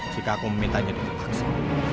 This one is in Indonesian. jika aku meminta jangan berpaksa